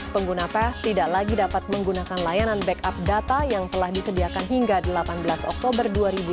pengguna pes tidak lagi dapat menggunakan layanan backup data yang telah disediakan hingga delapan belas oktober dua ribu dua puluh